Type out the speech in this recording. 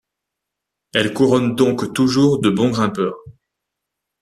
Elle couronne donc toujours de bons grimpeurs.